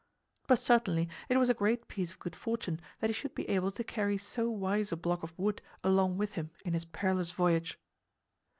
But certainly it was a great piece of good fortune that he should be able to carry so wise a block of wood along with him in his perilous voyage.